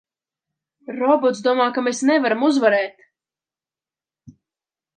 Robots domā, ka mēs nevaram uzvarēt!